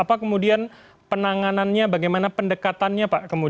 apa kemudian penanganannya bagaimana pendekatannya pak